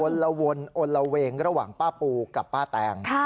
ละวนอนละเวงระหว่างป้าปูกับป้าแตง